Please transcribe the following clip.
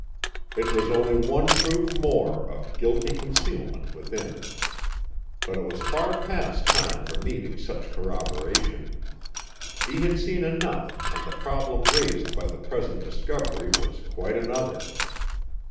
It was only one proof more of guilty concealment within. But it was far past time for needing such corroboration. He had seen enough and the problem raised by the present discovery was quite another.